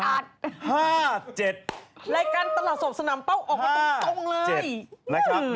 ร่ายการตลาดสพศนำเป้าออกมาตรงเลย